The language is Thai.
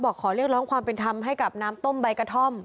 ขอเรียกร้องความเป็นธรรมให้กับน้ำต้มใบกระท่อม